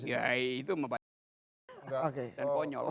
ya itu membacanya